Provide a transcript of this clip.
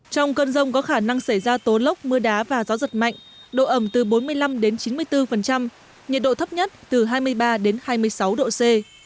trong cơn rông có khả năng xảy ra tố lốc mưa đá và gió giật mạnh độ ẩm từ bốn mươi năm đến chín mươi bốn nhiệt độ thấp nhất từ hai mươi ba hai mươi sáu độ c